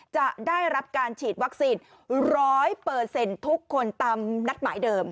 จะได้รับการฉีดวัคซีนร้อยเปอร์เซ็นต์ทุกคนตามนัดหมายเดิม